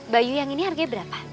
bayu yang ini harganya berapa